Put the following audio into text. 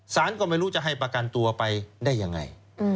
ก็ไม่รู้จะให้ประกันตัวไปได้ยังไง